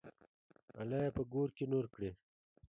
الله یې په ګور کې نور کړي.